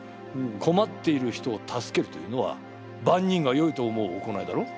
こまっている人を助けるというのはばんにんがよいと思う行いだろう？